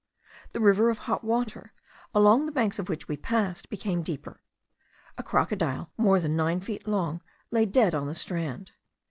The river of hot water, along the banks of which we passed, became deeper. A crocodile, more than nine feet long, lay dead on the strand.